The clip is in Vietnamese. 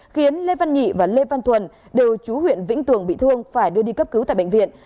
khiến lê văn nhị và lê văn thuần đều chú huyện vĩnh tường bị thương phải đưa đi cấp cứu tại bệnh viện